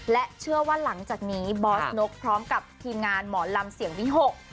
และเชื่อว่าหลังจากนี้บอสนกพร้อมกับทีมงานหมอลำเสียงวิหก